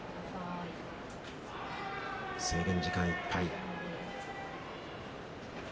制限時間いっぱい。